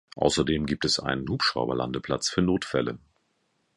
Außerdem gibt es einen Hubschrauberlandeplatz für Notfälle.